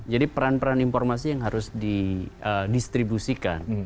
jadi peran peran informasi yang harus didistribusikan